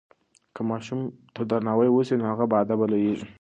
که ماشوم ته درناوی وسي نو هغه باادبه لویېږي.